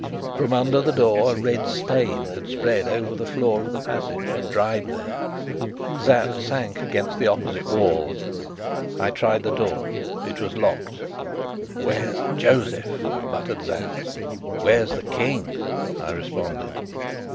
From under the door a red stain had spread over the floor of the passage and dried there. Sapt sank against the opposite wall. I tried the door. It was locked. "Where's Josef?" muttered Sapt. "Where's the King?" I responded.